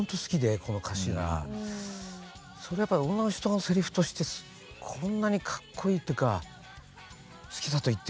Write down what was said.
それやっぱり女の人のせりふとしてこんなにかっこいいっていうか「好きだと言ってるじゃないの」って